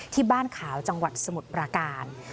ที่บ้านขาวจังหวัดสมุทรปราการ